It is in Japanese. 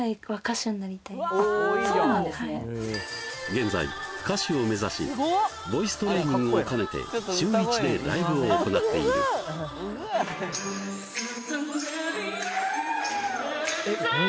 現在歌手を目指しボイストレーニングを兼ねて週１でライブを行っているＳａｎｔａ，ｔｅｌｌｍｅｉｆｙｏｕ